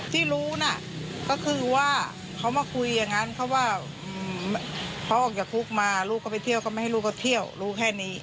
ที่รู้น่ะก็คือว่าเขามาคุยอย่างนั้นเพราะว่าเขาออกจากคุกมาลูกเขาไปเที่ยวเขาไม่ให้ลูกเขาเที่ยวรู้แค่นี้